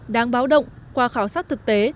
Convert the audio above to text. đáng báo động qua khảo sát thực tế